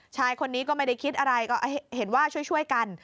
ชายคนนี้ก็ไม่ได้คิดอะไรก็เห็นว่าช่วยกัน